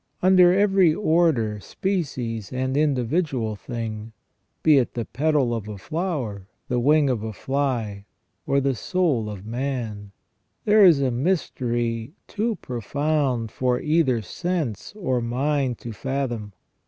Under every order, species, and individual thing, be it the petal of a flower, the wing of a fly, or the soul of man, there is a mystery too profound for either sense or mind to fathom.